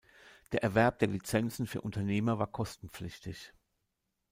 Der Erwerb der Lizenzen für Unternehmer war kostenpflichtig.